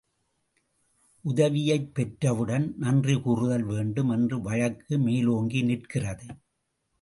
உதவியைப் பெற்றவுடன் நன்றி கூறுதல் வேண்டும் என்ற வழக்கு, மேலோங்கி நிற்கிறது.